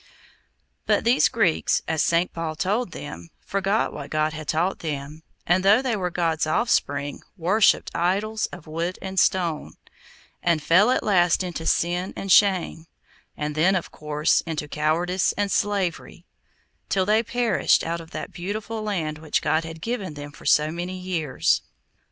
But these Greeks, as St. Paul told them, forgot what God had taught them, and, though they were God's offspring, worshipped idols of wood and stone, and fell at last into sin and shame, and then, of course, into cowardice and slavery, till they perished out of that beautiful land which God had given them for so many years.